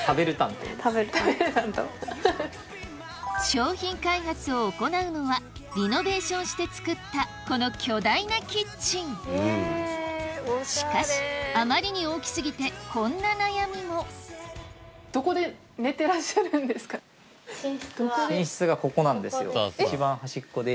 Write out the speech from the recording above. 商品開発を行うのはリノベーションして作ったこの巨大なキッチンしかしあまりに大き過ぎてこんな悩みも寝室がここなんですよ一番端っこで。